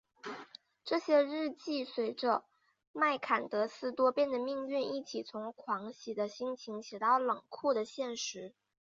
这些日记随着麦坎德斯多变的命运一起从狂喜的心情写到冷酷的现实。